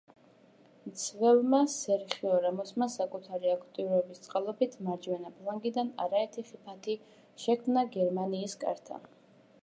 მცველმა სერხიო რამოსმა საკუთარი აქტიურობის წყალობით, მარჯვენა ფლანგიდან არაერთი ხიფათი შექმნა გერმანიის კართან.